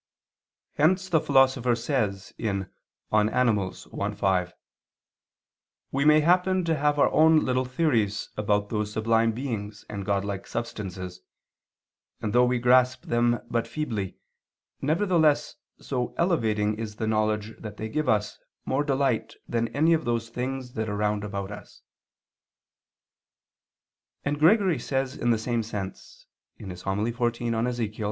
Hence the Philosopher says (De Part. Animal. i, 5): "We may happen to have our own little theories about those sublime beings and godlike substances, and though we grasp them but feebly, nevertheless so elevating is the knowledge that they give us more delight than any of those things that are round about us": and Gregory says in the same sense (Hom. xiv in Ezech.)